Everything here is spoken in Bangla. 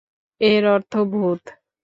এর অর্থ ভূত।